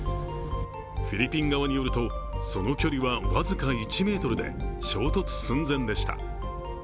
フィリピン側によると、その距離は僅か１ｍで衝突寸前でした。